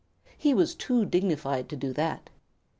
He was too dignified to do that.